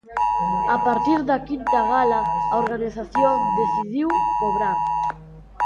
A partir da quinta gala a organización decidiu cobrar.